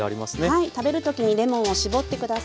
はい食べる時にレモンを搾って下さい。